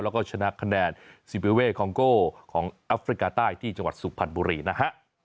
แล้วก็ชนะคะแนนซิเบเว่คองโก้ของแอฟริกาใต้ที่จังหวัดสุพรรณบุรีนะฮะ